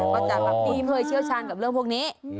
ก็จะแบบที่เคยเชี่ยวชาญกับเรื่องพวกนี้